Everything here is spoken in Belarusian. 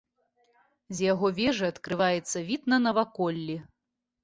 З яго вежы адкрываецца від на наваколлі.